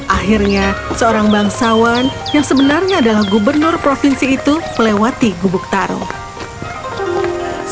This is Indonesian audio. akhirnya seorang bangsawan yang sebenarnya adalah gubernur provinsi itu melewati gubuk tarong